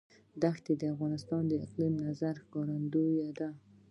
دښتې د افغانستان د اقلیمي نظام ښکارندوی ده.